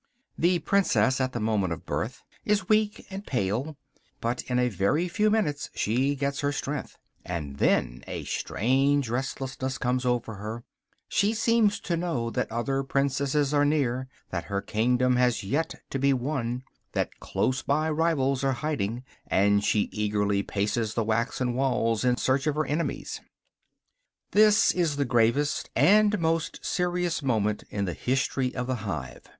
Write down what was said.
The princess, at the moment of birth, is weak and pale; but in a very few minutes she gets her strength, and then a strange restlessness comes over her; she seems to know that other princesses are near, that her kingdom has yet to be won, that close by rivals are hiding; and she eagerly paces the waxen walls in search of her enemies. This is the gravest and most serious moment in the history of the hive.